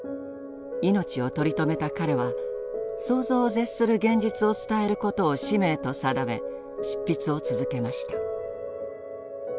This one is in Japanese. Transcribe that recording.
命を取り留めた彼は想像を絶する現実を伝えることを使命と定め執筆を続けました。